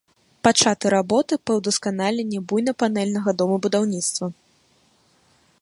Пачаты работы па ўдасканаленні буйнапанэльнага домабудаўніцтва.